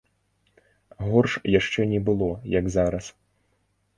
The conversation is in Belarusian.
Горш яшчэ не было, як зараз.